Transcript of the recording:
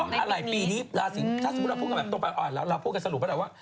เพราะอะไรปีนี้ถ้าสมมุติเราพูดกันแบบตรงไปเราพูดกันสรุปแล้วว่า